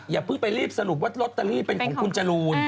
อย่าเพิ่งไปรีบสรุปวัตรฟาร์เตอร์รีเป็นของคุณจรูน